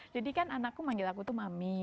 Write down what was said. jadi kan anakku manggil aku tuh mami